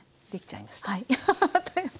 できちゃいました。